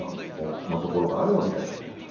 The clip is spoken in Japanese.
ここのところがあるわけじゃないですか。